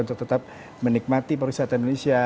untuk tetap menikmati pariwisata indonesia